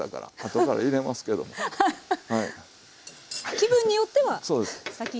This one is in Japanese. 気分によっては先に。